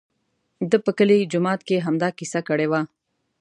ده په کلي جومات کې همدا کیسه کړې وه.